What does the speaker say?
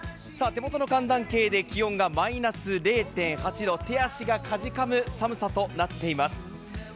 手元の寒暖計で気温がマイナス０．８度、手足がかじかむ寒さとなっています。